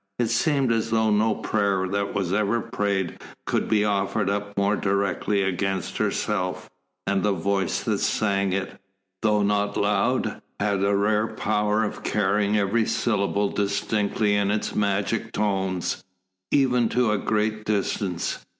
It seemed as though no prayer that was ever prayed could be offered up more directly against herself, and the voice that sang it, though not loud, had the rare power of carrying every syllable distinctly in its magic tones, even to a great distance.